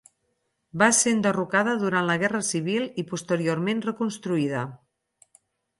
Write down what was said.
Va ser enderrocada durant la guerra civil i posteriorment reconstruïda.